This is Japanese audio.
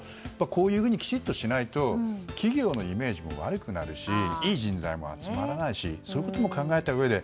こういうふうにきちっとしないと企業のイメージも悪くなるしいい人材も集まらないしそういうことも考えたうえで。